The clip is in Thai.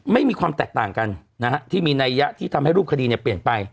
ไม่มีความแตกต่างกันนะฮะที่มีนัยยะที่ทำให้รูปคดีเปลี่ยนไป